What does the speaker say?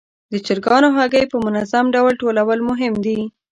د چرګانو هګۍ په منظم ډول ټولول مهم دي.